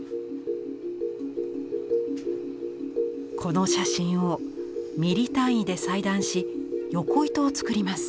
この写真をミリ単位で裁断し横糸を作ります。